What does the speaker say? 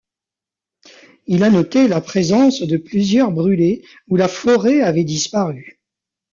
Il a noté la présence de plusieurs brûlés où la forêt avait disparu.